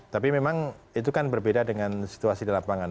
tapi memang itu kan berbeda dengan situasi di lapangan